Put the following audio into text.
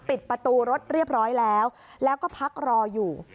ปิดประตูรถเรียบร้อยแล้วแล้วก็พักรออยู่